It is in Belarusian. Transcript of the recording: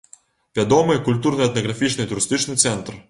Вядомы культурна-этнаграфічны і турыстычны цэнтр.